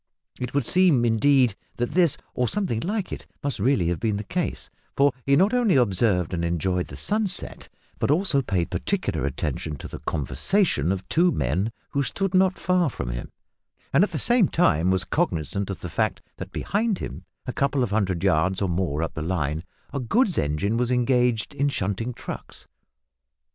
It would seem, indeed, that this, or something like it, must really have been the case, for he not only observed and enjoyed the sunset but also paid particular attention to the conversation of two men who stood not far from him, and at the same time was cognisant of the fact that behind him, a couple of hundred yards or more up the line, a goods engine was engaged in shunting trucks.